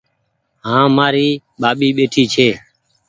هآنٚ مآري ٻآٻي ٻيٺي ڇي